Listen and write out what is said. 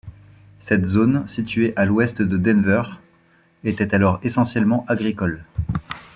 Cette zone, située à l'ouest de Denver, était alors essentiellement agricole.